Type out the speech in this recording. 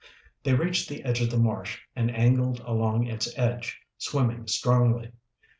They reached the edge of the marsh and angled along its edge, swimming strongly.